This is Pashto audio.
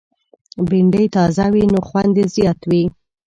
بېنډۍ تازه وي، نو خوند یې زیات وي